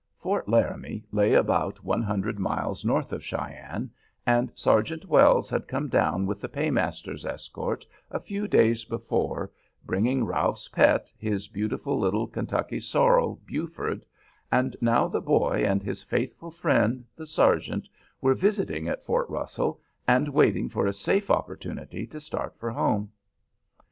Fort Laramie lay about one hundred miles north of Cheyenne, and Sergeant Wells had come down with the paymaster's escort a few days before, bringing Ralph's pet, his beautiful little Kentucky sorrel "Buford," and now the boy and his faithful friend, the sergeant, were visiting at Fort Russell, and waiting for a safe opportunity to start for home.